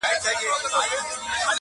خو کيسه نه ختمېږي هېڅکله,